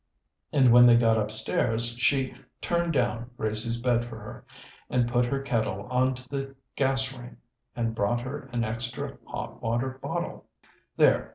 And when they got upstairs she "turned down" Gracie's bed for her, and put her kettle on to the gas ring, and brought her an extra hot water bottle. "There!